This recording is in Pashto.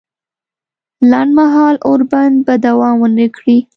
لنډ مهاله اوربند به دوام ونه کړي